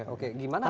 oke gimana pak fai